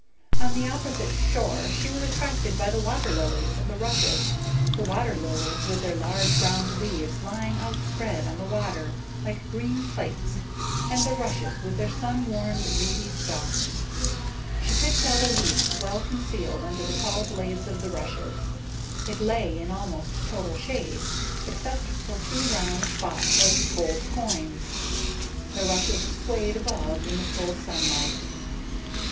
On the opposite shore she was attracted by the water lilies and the rushes, the water lilies with their large round leaves lying outspread on the water like green plates, and the rushes with their sun warmed, reedy stalks. She picked out a leaf well concealed under the tall blades of the rushes. It lay in almost total shade, except for two round spots like gold coins; the rushes swayed above in the full sunlight.